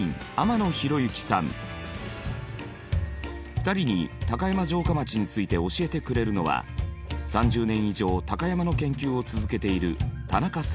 ２人に高山城下町について教えてくれるのは３０年以上高山の研究を続けている田中さん。